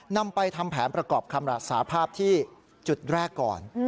นำไปทำแผนประกอบคำรับสาภาพที่จุดแรกก่อน